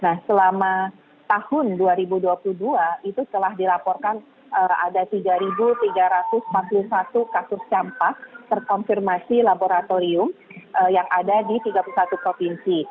nah selama tahun dua ribu dua puluh dua itu telah dilaporkan ada tiga tiga ratus empat puluh satu kasus campak terkonfirmasi laboratorium yang ada di tiga puluh satu provinsi